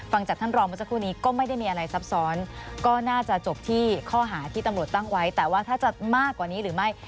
ฟังจากท่านรองเมื่อสักครู่นี้ก็ไม่ได้มีอะไรซับซ้อนก็น่าจะจบที่ข้อหาที่ตำรวจตั้งไว้แต่ว่าถ้าจะมากกว่านี้หรือไม่